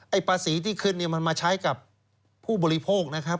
ภาษีที่ขึ้นเนี่ยมันมาใช้กับผู้บริโภคนะครับ